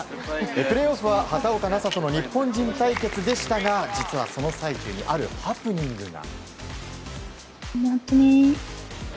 プレーオフは畑岡奈紗との日本人対決でしたが実はその最中にあるハプニングが。